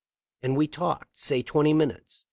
And we talked, say twenty minutes.